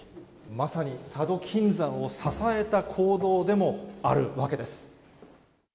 まさに佐渡金山を支えた坑道でもあるわけです。